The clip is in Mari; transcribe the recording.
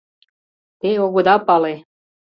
Те огыда пале.